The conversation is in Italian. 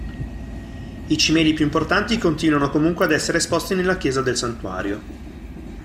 I cimeli più importanti continuano comunque ad essere esposti nella chiesa del santuario.